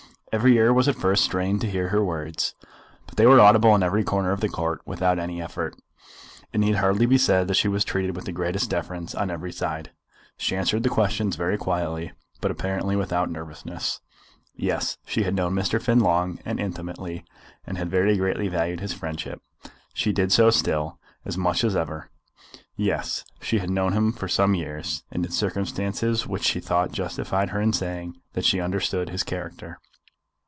Every ear was at first strained to hear her words; but they were audible in every corner of the Court without any effort. It need hardly be said that she was treated with the greatest deference on every side. She answered the questions very quietly, but apparently without nervousness. "Yes; she had known Mr. Finn long, and intimately, and had very greatly valued his friendship. She did so still, as much as ever. Yes; she had known him for some years, and in circumstances which she thought justified her in saying that she understood his character.